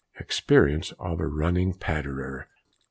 EXPERIENCE OF A RUNNING PATTERER.